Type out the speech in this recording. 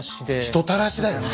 人たらしだよね。